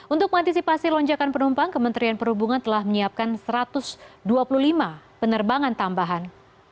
untuk mengantisipasi lonjakan penumpang kementerian perhubungan telah menyiapkan satu ratus dua puluh lima penerbangan tambahan